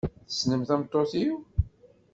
Tessnem tameṭṭut-iw?